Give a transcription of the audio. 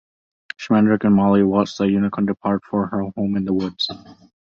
Schmendrick and Molly watch the Unicorn depart for her home in the woods.